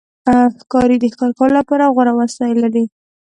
ښکاري د ښکار کولو لپاره غوره وسایل لري.